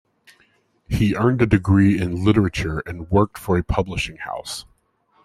He earned a degree in literature and worked for a publishing house.